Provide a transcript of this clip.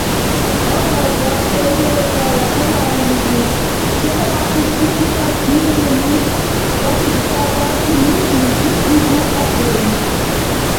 Гьалабван РГВК-ла каналлизиб чебаахъибси кинофильмли Дагъиста адамти мурхьли пикрибухъахъун.